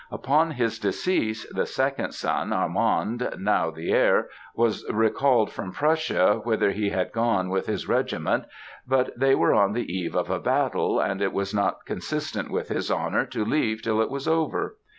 Upon his decease, the second son, Armande, now the heir, was recalled from Prussia, whither he had gone with his regiment, but they were on the eve of a battle, and it was not consistent with his honour to leave till it was over.